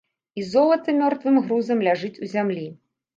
І золата мёртвым грузам ляжыць у зямлі.